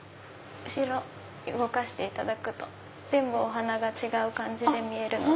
後ろ動かしていただくとお花が違う感じで見えるので。